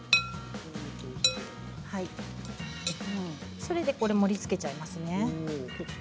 それで、盛りつけちゃいますね。